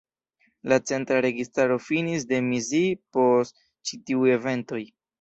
La centra registaro finis demisii post ĉi tiuj eventoj.